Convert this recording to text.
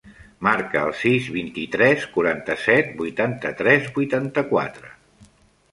Marca el sis, vint-i-tres, quaranta-set, vuitanta-tres, vuitanta-quatre.